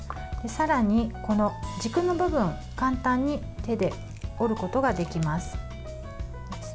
さらに、この軸の部分簡単に手で折ることができます。